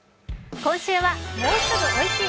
今週はもうすぐ美味しい！